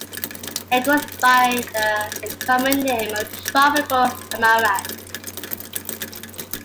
It goes by the common name of tropical amaranth.